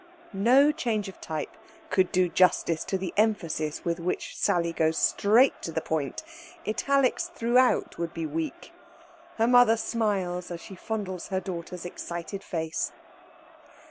No change of type could do justice to the emphasis with which Sally goes straight to the point. Italics throughout would be weak. Her mother smiles as she fondles her daughter's excited face.